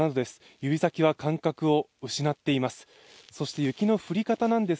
指先は感覚を失っています。